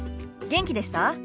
元気でした？